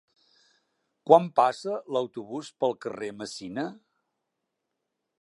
Quan passa l'autobús pel carrer Messina?